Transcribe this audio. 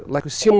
và một bức tượng